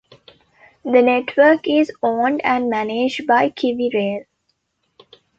The network is owned and managed by KiwiRail.